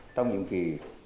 trong những kỳ